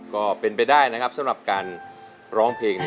ก็เป็นไปได้นะครับสำหรับการร้องเพลง